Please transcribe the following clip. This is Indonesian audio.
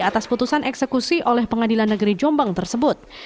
atas putusan eksekusi oleh pengadilan negeri jombang tersebut